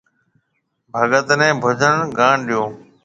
ڀگت نَي ڀجن گاڻ ڏيو۔